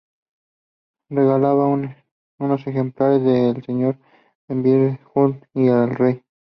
Regala unos ejemplares de "El señor de Bembibre" a Humboldt y al rey.